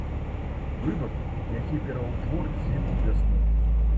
Выбар, які пераўтворыць зіму ў вясну.